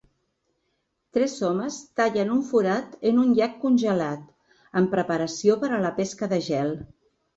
Tres homes tallen un forat en un llac congelat en preparació per a la pesca de gel.